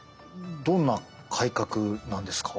どんな改革なんですか？